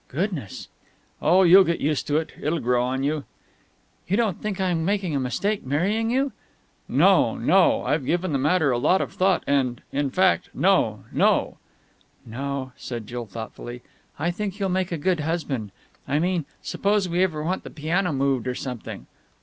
"Goodness!" "Oh, you'll get used to it. It'll grow on you." "You don't think I am making a mistake marrying you?" "No, no! I've given the matter a lot of thought, and ... in fact, no, no!" "No," said Jill thoughtfully. "I think you'll make a good husband. I mean, suppose we ever want the piano moved or something....